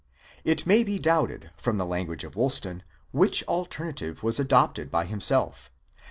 it may be doubted, from the language of Woolston, which alternative was adopted by himself.